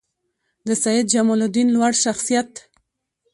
د سیدجمالدین لوړ شخصیت